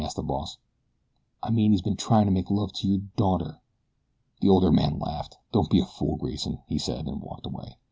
asked the boss. "I mean that he's ben tryin' to make love to your daughter." The older man laughed. "Don't be a fool, Grayson," he said, and walked away.